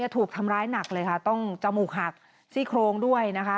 ถูกทำร้ายหนักเลยค่ะต้องจมูกหักซี่โครงด้วยนะคะ